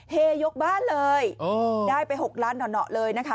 เฮยกบ้านเลยได้ไป๖ล้านหน่อเลยนะคะ